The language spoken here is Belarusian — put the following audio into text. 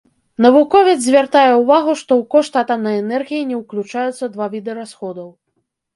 Навуковец звяртае ўвагу, што ў кошт атамнай энергіі не ўключаюцца два віды расходаў.